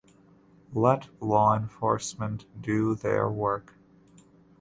Let law enforcement do their work.